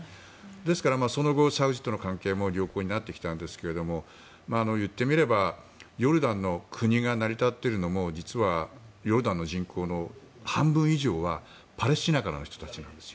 ですから、その後サウジとの関係も良好になってきたんですが言ってみれば、ヨルダンの国が成り立っているのも実はヨルダンの人口の半分以上はパレスチナからの人たちなんです。